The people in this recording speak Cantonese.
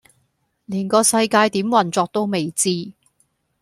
連個世界點運作都未知